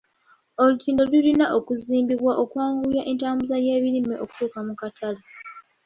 Olutindo lulina okuzimbibwa okwanguya entambuza y'ebirime okutuuka mu katale.